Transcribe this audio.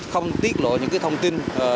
không tiết lộ những cái thông tin